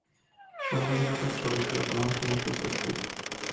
সন্ধ্যাবেলা তাঁর ছোট শ্যালক মহসিন এসে উপস্থিত।